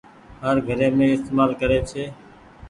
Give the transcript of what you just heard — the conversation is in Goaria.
هر گھري مين استهمال ڪري ڇي۔